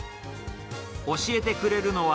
教えてくれるのは。